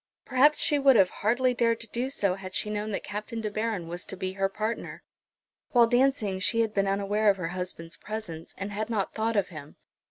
Perhaps she would hardly have dared to do so had she known that Captain De Baron was to be her partner. While dancing she had been unaware of her husband's presence, and had not thought of him.